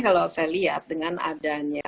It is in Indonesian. kalau saya lihat dengan adanya